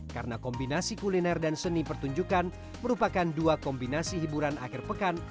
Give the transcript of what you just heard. karena kombinasi kuliner dan seni pertunjukan merupakan dua kombinasi hiburan akhir pekan